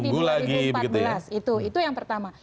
di dua ribu empat belas itu yang pertama